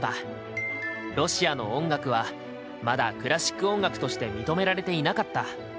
ロシアの音楽はまだクラシック音楽として認められていなかった。